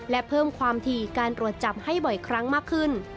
และเพิ่มความถี่การตรวจจับให้บ่อยครั้งมากขึ้น